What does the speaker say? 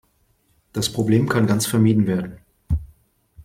Das Problem kann ganz vermieden werden.